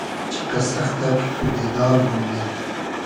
چیقئس سئختۂ کی تو بېدار بومنی